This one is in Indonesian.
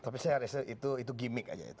tapi saya rasa itu gimmick aja